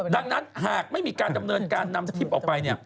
ดังนั้นหากไม่มีการดำเนินการนำสคริปออกไป